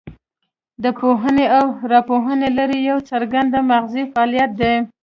د پوهونې او راپوهونې لړۍ یو څرګند مغزي فعالیت دی